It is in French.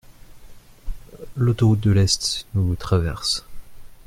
L’autoroute de l’Est nous traverse.